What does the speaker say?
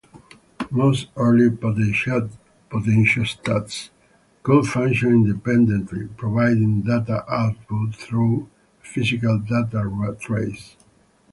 Most early potentiostats could function independently, providing data output through a physical data trace.